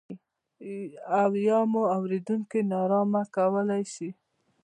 او یا مو اورېدونکي نا ارامه کولای شي.